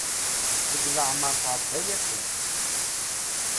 Deg leɛmer teɛba-yasen.